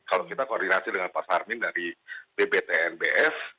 kalau kita koordinasi dengan pak sarmin dari dbtnbf